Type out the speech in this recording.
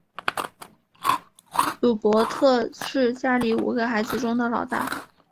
鲁伯特是家里五个孩子中的老大。